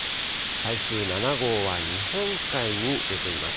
台風７号は日本海に出ています。